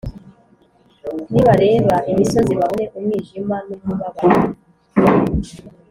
nibareba imisozi babone umwijima n’umubabaro,